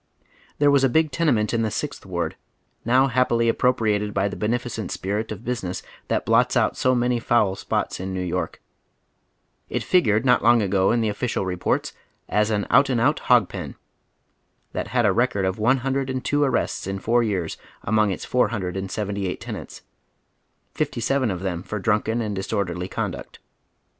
There was a big tenement in the Sixth Ward, now happily appropriated by the beneficent spirit of business that blots out so many foul spots in Kew York— it figured not long ago in the official reports as " an out and out hog pen "— that had a record of one hundred and two arrests in four years among its four hundred and seventy eight tenants, fifty seven of them for drunken and disorderly conduct.